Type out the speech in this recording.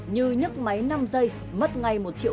như nhấc máy năm giây mất ngay một triệu